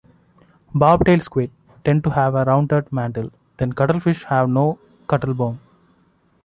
Bobtail squid tend to have a rounder mantle than cuttlefish and have no cuttlebone.